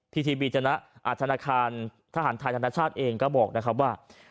ทีทีบีจณะอัตราคารทหารธาตุธนาชาติเองก็บอกนะครับว่า